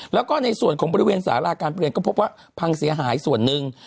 แล้วก็ในส่วนของบริเวณสาราการเปลี่ยนก็พบว่าพังเสียหายส่วนหนึ่ง